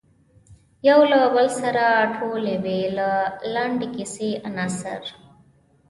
یو له بل سره تړلې وي د لنډې کیسې عناصر.